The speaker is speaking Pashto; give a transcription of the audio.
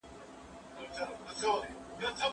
د وطن د خاورې ساتنه پر موږ فرض ده.